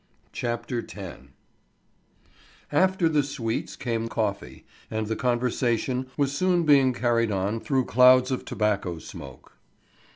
CHAPTER X AFTER the sweets came coffee, and the conversation was soon being carried on through clouds of tobacco smoke.